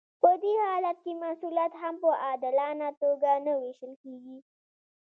په دې حالت کې محصولات هم په عادلانه توګه نه ویشل کیږي.